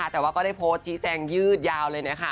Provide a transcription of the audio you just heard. แต่ว่าก็ได้โพสต์ชี้แจงยืดยาวเลยนะคะ